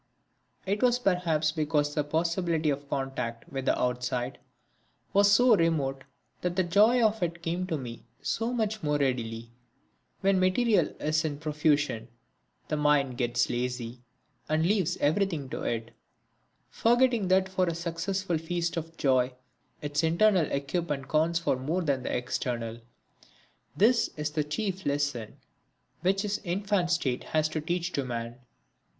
It was perhaps because the possibility of contact with the outside was so remote that the joy of it came to me so much more readily. When material is in profusion, the mind gets lazy and leaves everything to it, forgetting that for a successful feast of joy its internal equipment counts for more than the external. This is the chief lesson which his infant state has to teach to man.